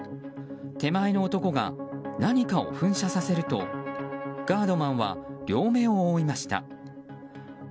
手前の男が何かを噴射させるとガードマンは両目を覆いました。